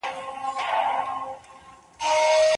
دا هغه بدمرغۍ وې چي په روم کي تېرې سوې.